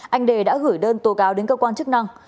anh đề đã gửi đơn tố cáo đến cơ quan chức năng